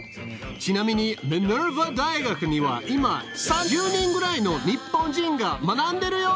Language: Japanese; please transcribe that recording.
ちなみにミネルバ大学には今３０人ぐらいの日本人が学んでるよ！